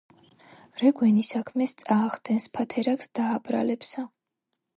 რეგვენი საქმეს წაახდენს, ფათერაკს დააბრალებსა